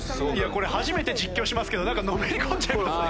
これ初めて実況しますけどのめり込んじゃいますね。